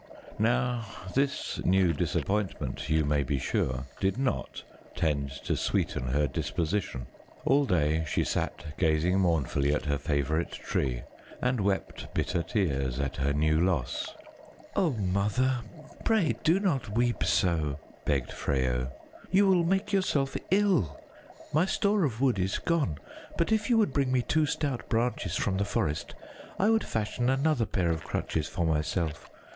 Now this new disappointment, you may be sure, did not tend to sweeten her disposition. All day she sat gazing mournfully at her favorite tree and wept bitter tears at her new loss. "Oh, Mother, pray do not weep so!" begged Freyo. "You will make yourself ill. My store of wood is gone; but if you would bring me two stout branches from the forest, I would fashion another pair of crutches for myself.